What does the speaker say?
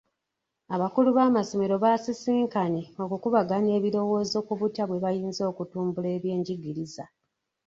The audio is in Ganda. Abakulu b'amassomero baasisinkanye okukubaganya ebirowoozo ku butya bwe bayinza okutumbula ebyenjigiriza.